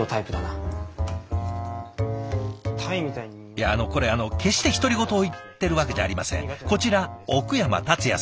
いやこれあの決して独り言を言ってるわけじゃありません。